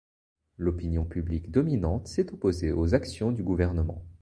L'opinion publique dominante s'est opposée aux actions du gouvernement.